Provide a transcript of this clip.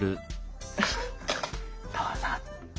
どうぞ。